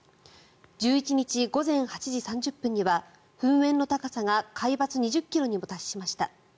１１日午前８時３０分には噴煙の高さが海抜２０ｋｍにも達しました。